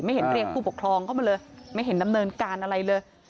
เห็นเรียกผู้ปกครองเข้ามาเลยไม่เห็นดำเนินการอะไรเลย